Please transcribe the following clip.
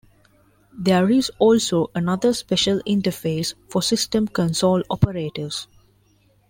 There is also another, special interface for system console operators.